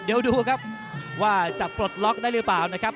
เดี๋ยวดูครับว่าจะปลดล็อกได้หรือเปล่านะครับ